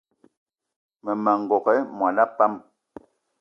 Mmema n'gogué mona pam